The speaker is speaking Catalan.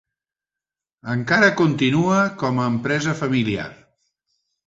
Encara continua com a empresa familiar.